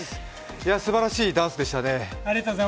すばらしいダンスでしたね。